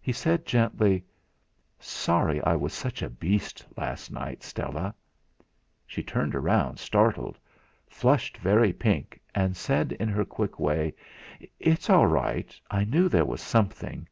He said gently: "Sorry I was such a beast last night, Stella." She turned round, startled, flushed very pink, and said in her quick way: "It's all right. I knew there was something.